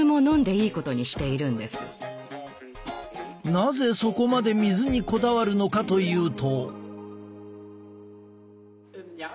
なぜそこまで水にこだわるのかというと。